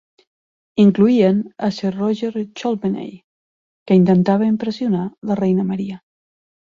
Incloïen a Sir Roger Cholmeley, que intentava impressionar la reina Maria.